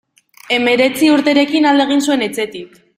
Hemeretzi urterekin alde egin zuen etxetik.